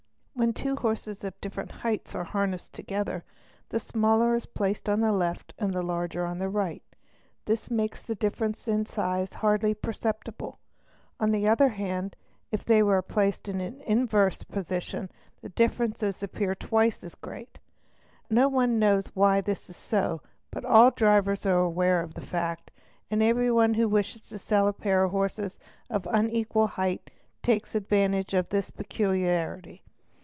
When two horses of different heights are harnessed together, the smaller is placed on the left and the larger on the right. This makes the difference in size hardly perceptible ; on the other hand if they are placed in the inverse position the difference appears twice as great. No one knows why this is so, but all drivers are aware of the fact, and every one who wishes to sell a pair of horses of unequal height takes advan tage of this peculiarity.